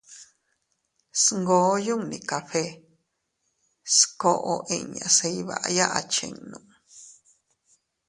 Sngoo yunni café skoʼo inña se iyvaya achinnu.